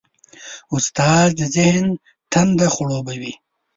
استاد د ذهن تنده خړوبوي.